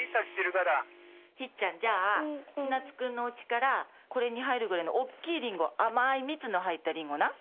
ひっちゃんじゃあチナツくんのお家からこれに入るぐらいの大っきいリンゴ甘い蜜の入ったリンゴな。